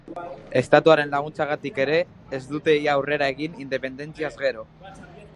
Estatuaren laguntzagatik ere, ez dute ia aurrera egin independentziaz gero.